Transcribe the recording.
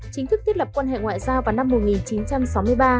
chính thức thiết lập quan hệ ngoại giao vào năm một nghìn chín trăm sáu mươi ba